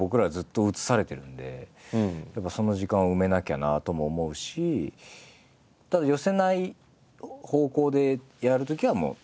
でもやっぱその時間を埋めなきゃなとも思うしただ寄せない方向でやるときはもう。